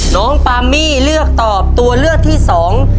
น้องปามี่เลือกตอบตัวเลือกที่สอง